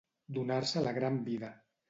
Donar-se la gran vida.